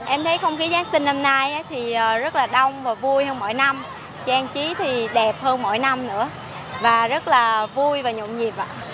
em thấy không khí giáng sinh năm nay thì rất là đông và vui hơn mỗi năm trang trí thì đẹp hơn mỗi năm nữa và rất là vui và nhộn nhịp